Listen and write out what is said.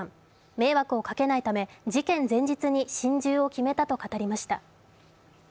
迷惑をかけないため、事件前日に心中を決めたと語りました。